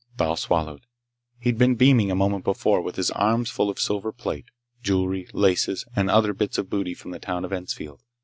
Thal swallowed. He'd been beaming a moment before, with his arms full of silver plate, jewelry, laces, and other bits of booty from the town of Ensfield.